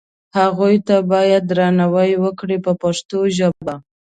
هغو ته باید درناوی وکړي په پښتو ژبه.